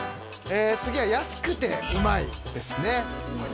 次は安くてうまいですね